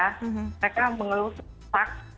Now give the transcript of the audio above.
mereka mengeluh sesak